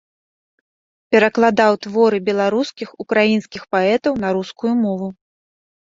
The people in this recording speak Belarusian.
Перакладаў творы беларускіх, украінскіх паэтаў на рускую мову.